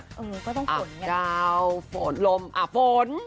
อืมก็ต้องฝนอย่างนี้อ่ะเจ้าฝนลมอ่ะฝน